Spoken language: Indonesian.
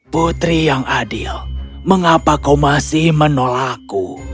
putri yang adil mengapa kau masih menolakku